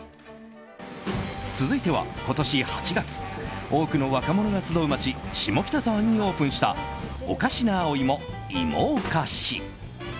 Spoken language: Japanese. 続いては今年８月多くの若者が集う街下北沢にオープンしたをかしなお芋芋をかし。